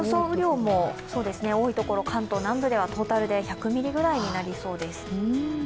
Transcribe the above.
雨量も多いところ、関東南部ではトータルで１００ミリぐらいになりそうです。